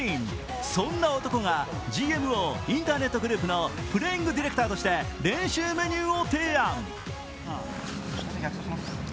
そんな男がＧＭＯインターネットグループのプレイング・ディレクターとして練習メニューを提案。